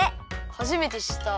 はじめてしった！